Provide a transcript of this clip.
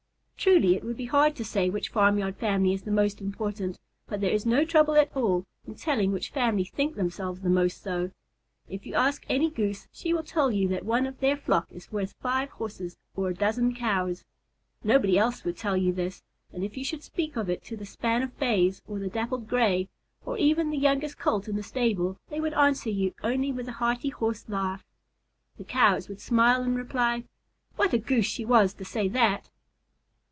Truly, it would be hard to say which farmyard family is the most important, but there is no trouble at all in telling which family think themselves the most so. If you ask any Goose, she will tell you that one of their flock is worth five Horses or a dozen Cows. Nobody else would tell you this, and if you should speak of it to the span of Bays, or the Dappled Gray, or even the youngest Colt in the stable, they would answer you only with a hearty Horse laugh. The Cows would smile and reply, "What a Goose she was to say that!"